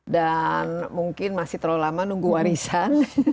dan mungkin masih terlalu lama nunggu warisan